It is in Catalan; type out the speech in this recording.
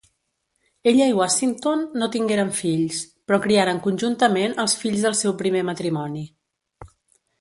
Ella i Washington no tingueren fills, però criaren conjuntament els fills del seu primer matrimoni.